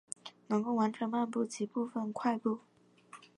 能够完成漫步及部份快步。